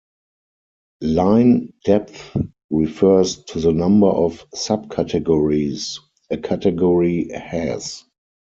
"Line depth" refers to the number of subcategories a category has.